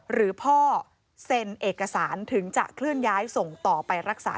หรือพ่อเซ็นเอกสารถึงจะเคลื่อนย้ายส่งต่อไปรักษา